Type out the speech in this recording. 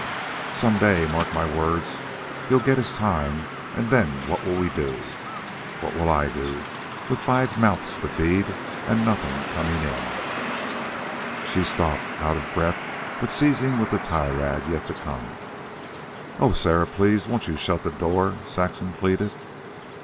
Some day, mark my words, he'll get his time, an' then what'll we do? What'll I do, with five mouths to feed an' nothin' comin' in?" She stopped, out of breath but seething with the tirade yet to come. "Oh, Sarah, please won't you shut the door?" Saxon pleaded.